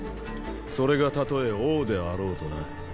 それがたとえ王であろうとな。